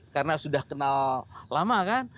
karena sudah kenal lama kan